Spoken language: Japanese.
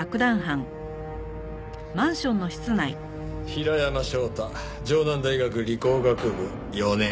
平山翔太城南大学理工学部４年。